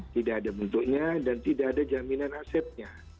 tidak ada bentuknya dan tidak ada jaminan asetnya